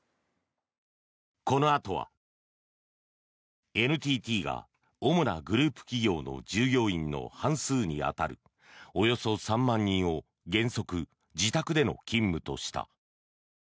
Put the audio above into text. このあとはＮＴＴが主なグループ企業の従業員の半数に当たるおよそ３万人を原則、自宅での勤務とした。